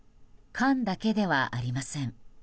缶だけではありません。